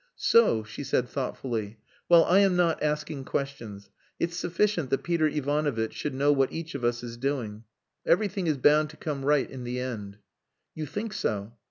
"So!" she said thoughtfully. "Well, I am not asking questions. It's sufficient that Peter Ivanovitch should know what each of us is doing. Everything is bound to come right in the end." "You think so?"